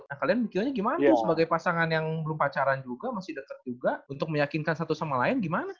nah kalian mikirnya gimana tuh sebagai pasangan yang belum pacaran juga masih dekat juga untuk meyakinkan satu sama lain gimana